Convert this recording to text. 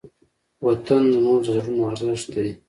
وطن زموږ د زړونو ارزښت دی.